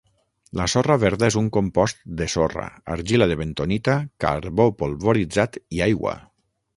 La sorra verda és un compost de sorra, argila de bentonita, carbó polvoritzat i aigua.